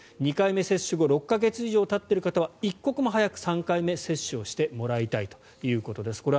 ２回目接種後６か月以上たっている方は一刻も早く３回目接種をしてもらいたいということです。